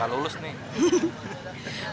gak lulus nih